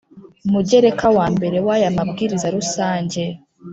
mugereka wa mbere w aya Mabwiriza rusange